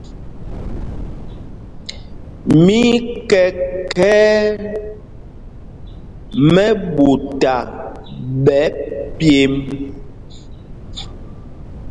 Mí í kɛ khɛ̄ɛ̄ mɛɓuta ɓɛ̌ pyemb.